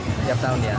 tiap tahun ya